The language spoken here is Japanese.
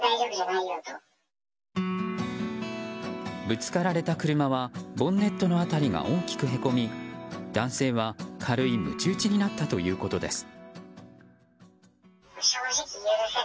ぶつかられた車はボンネットの辺りが大きくへこみ男性は、軽いむち打ちになったということです。